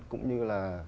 cũng như là